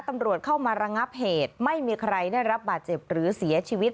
ตำรวจเข้ามาระงับเหตุไม่มีใครได้รับบาดเจ็บหรือเสียชีวิต